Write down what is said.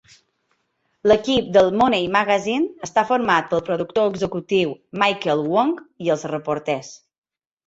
L'equip del "Money Magazine" està format pel productor executiu Michael Wong i els reporters.